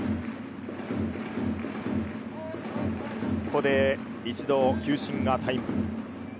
ここで一度、球審がタイム。